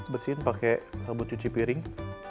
bersihin pake sabun cuci piring